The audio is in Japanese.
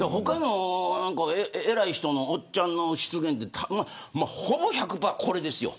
偉い人のおっちゃんの失言はほぼ１００％、これですよ。